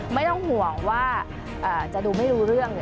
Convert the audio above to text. ไม่ต้องห่วงว่าจะดูไม่รู้เรื่อง